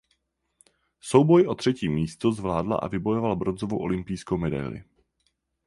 Souboj o třetí místo zvládla a vybojovala bronzovou olympijskou medaili.